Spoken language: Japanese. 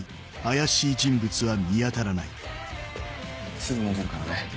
すぐ戻るからね